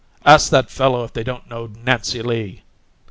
"Ask that fellow if they don't know 'Nancy Lee'!"